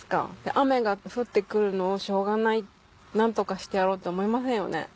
雨が降って来るのをしょうがない何とかしてやろうと思いませんよね。